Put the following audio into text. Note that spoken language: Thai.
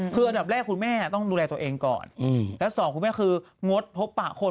คืออันดับแรกคุณแม่ต้องดูแลตัวเองก่อนและสองคุณแม่คืองดพบปะคน